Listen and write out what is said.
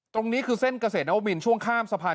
ตรงนี้คือเส้นเกษตรนวมินช่วงข้ามสะพาน